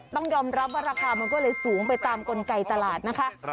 ต้องยอมรับว่าราคามันก็เลยสูงไปตามกลไกตลาดนะคะ